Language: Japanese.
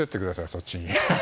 そっちに。